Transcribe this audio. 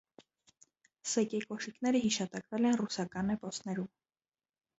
Սեկե կոշիկները հիշատակվել են ռուսական էպոսներում։